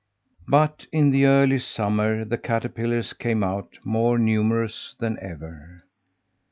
But in the early summer the caterpillars came out, more numerous than ever.